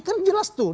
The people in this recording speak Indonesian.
kan jelas tuh